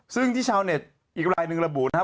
ซึ่งที่ชาวเน็ตอีกรายหนึ่งระบุนะครับ